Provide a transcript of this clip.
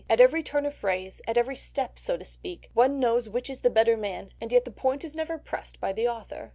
At every turn of phrase, at every step so to speak, one knows which is the better man, and yet the point is never pressed by the author."